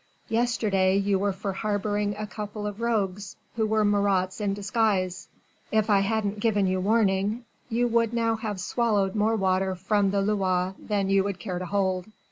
Yesterday you were for harbouring a couple of rogues who were Marats in disguise: if I hadn't given you warning, you would now have swallowed more water from the Loire than you would care to hold.